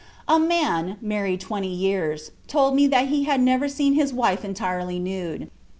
"A man, married twenty years, told me that he had never seen his wife entirely nude.